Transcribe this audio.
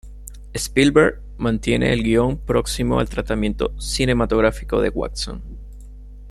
Spielberg mantiene el guion próximo al tratamiento cinematográfico de Watson.